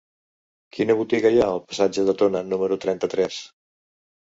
Quina botiga hi ha al passatge de Tona número trenta-tres?